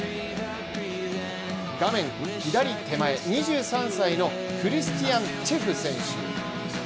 画面左手前、２３歳のクリスティアン・チェフ選手。